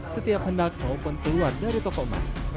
setiap hendak maupun keluar dari toko emas